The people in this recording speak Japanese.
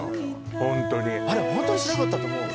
ホントにあれホントにしなかったと思う？